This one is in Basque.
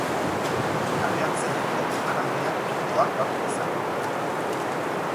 Kale antzerkiko emanaldiak doakoak izango dira.